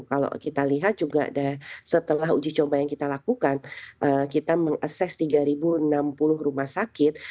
kalau kita lihat juga setelah uji coba yang kita lakukan kita mengases tiga enam puluh rumah sakit